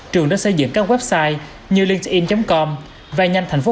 trường đã xây dựng các website như linkedin com vây nhanh thành phố